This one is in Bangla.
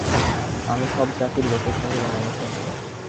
আমি সব জাতির লোকের সঙ্গে মেলামেশা করি।